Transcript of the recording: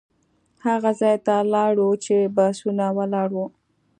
هغه ځای ته لاړو چې بسونه ولاړ وو.